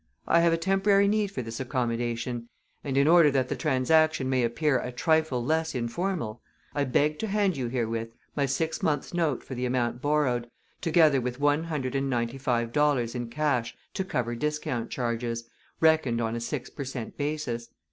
I have a temporary need for this accommodation, and in order that the transaction may appear a trifle less informal, I beg to hand you herewith my six months note for the amount borrowed, together with one hundred and ninety five dollars in cash to cover discount charges, reckoned on a six per cent. basis.